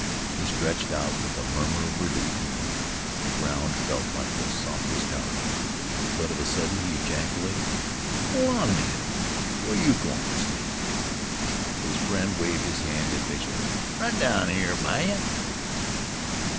He stretched out with a murmur of relief and comfort. The ground felt like the softest couch. But of a sudden he ejaculated: "Hol' on a minnit! Where you goin' t' sleep?" His friend waved his hand impatiently. "Right down there by yeh."